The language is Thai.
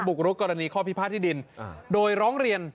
บุกรุกรณีข้อพิพาทที่ดิน